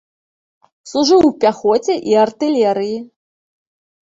Служыў у пяхоце і артылерыі.